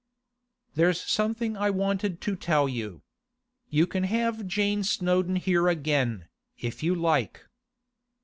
'There's something I wanted to tell you. You can have Jane Snowdon here again, if you like.